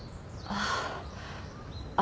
ああ。